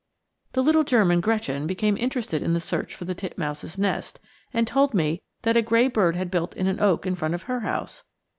The little German Gretchen became interested in the search for the titmouse's nest, and told me that a gray bird had built in an oak in front of her house.